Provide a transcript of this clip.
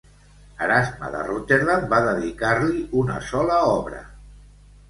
Erasme de Rotterdam va dedicar-li una sola obra.